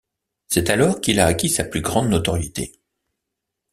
C'est alors qu'il a acquis sa plus grande notoriété.